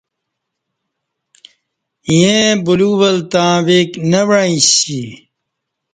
ییں بلیوک ول تا ویک نہ وعیݩسی